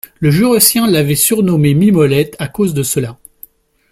Le Jurassien l’avait surnommée Mimolette, à cause de cela,